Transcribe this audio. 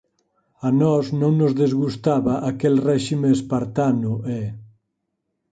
A nós non nos desgustaba aquel réxime espartano e